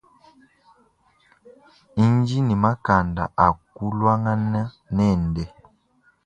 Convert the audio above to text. Ndi ni makanda akuluangana nende.